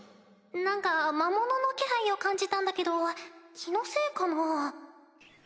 何か魔物の気配を感じたんだけど気のせいかな？